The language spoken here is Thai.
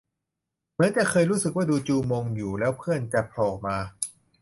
เหมือนจะเคยรู้สึกว่าดูจูมงอยู่ แล้วเพื่อนจะโผล่มา